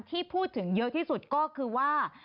ที่พูดถึงเยอะที่สุดก็คือว่า